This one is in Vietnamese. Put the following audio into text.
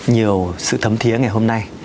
nhiều sự thấm thiế ngày hôm nay